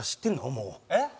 もう。えっ？